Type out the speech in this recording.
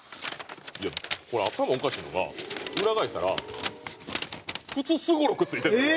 これ頭おかしいのが裏返したらくつすごろく付いてるんですよ！